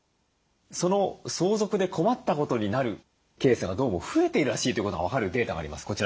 その相続で困ったことになるケースがどうも増えているらしいということが分かるデータがあります。